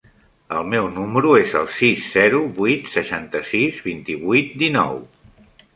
El meu número es el sis, zero, vuit, seixanta-sis, vint-i-vuit, dinou.